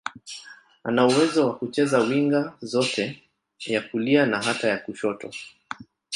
Ana uwezo wa kucheza winga zote, ya kulia na hata ya kushoto.